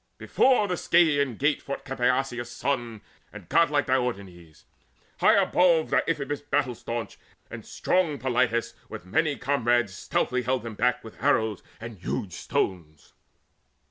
Before the Scaean gate fought Capaneus' son And godlike Diomedes. High above Deiphobus battle staunch and strong Polites With many comrades, stoutly held them back With arrows and huge stones.